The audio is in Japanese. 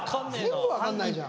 全部分かんないじゃん。